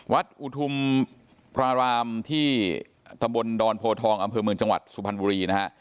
วัดอุทุมพระรามที่ตำบลดอนโพทองอำเภอเมืองจังหวัดสุพรรณบุรีนะฮะ